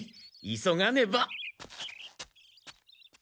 急がねばっ。